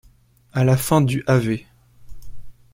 À la fin du av.